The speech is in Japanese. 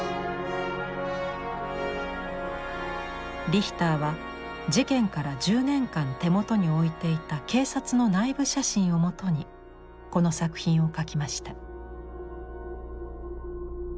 リヒターは事件から１０年間手元に置いていた警察の内部写真を基にこの作品を描きました。